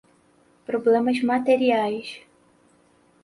problemas materiais